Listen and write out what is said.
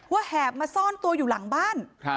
แหบมาซ่อนตัวอยู่หลังบ้าน